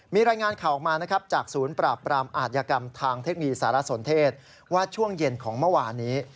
มีรายงานเข้าออกมา